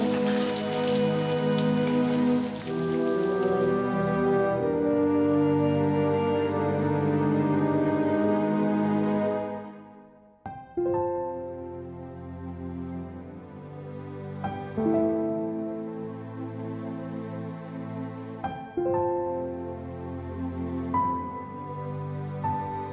ibu rasa tak apa tapi aku masih tak penasaran yup